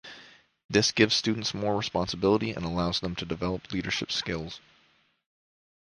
This gives students more responsibility and allows them to develop leadership skills.